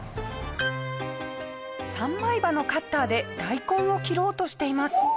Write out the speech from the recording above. ３枚刃のカッターで大根を切ろうとしています。